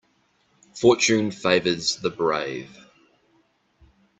Fortune favours the brave.